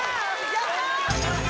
やった！